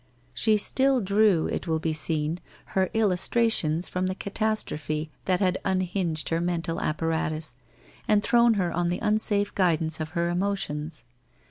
She still drew, it will be seen, her illustrations from the catastrophe that had unhinged her mental ap paratus, and thrown her on the unsafe guidance of her emotions.